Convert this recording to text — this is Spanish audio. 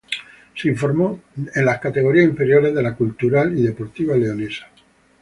Se formó en las categorías inferiores de la Cultural y Deportiva Leonesa.